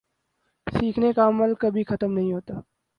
سیکھنے کا عمل کبھی ختم نہیں ہوتا